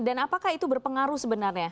dan apakah itu berpengaruh sebenarnya